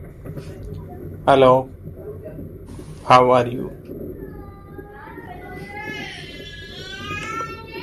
And, given his drive to excel, he changed his career orientation.